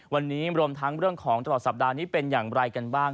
วันนี้รวมทั้งเรื่องของตลอดสัปดาห์นี้เป็นอย่างไรกันบ้าง